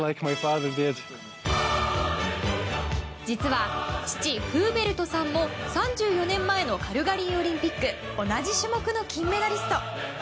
実は父・フーベルトさんも３４年前のカルガリーオリンピック同じ種目の金メダリスト。